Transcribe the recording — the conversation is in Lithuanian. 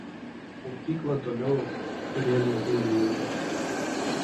Mokykla toliau rėmė dailininką.